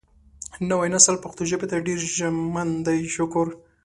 نوی نسل پښتو ژبې ته ډېر ژمن دی شکر